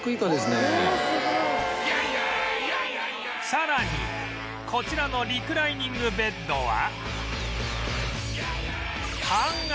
さらにこちらのリクライニングベッドは